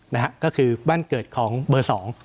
นะฮะก็คือบ้านเกิดของเบอร์สอง